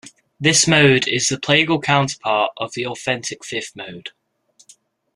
This mode is the plagal counterpart of the authentic fifth mode.